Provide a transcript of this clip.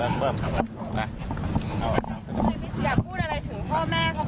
เสียงของหนึ่งในผู้ต้องหานะครับ